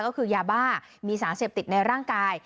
ก็คือยาบ้ามีสารเสพติดในร่างกาย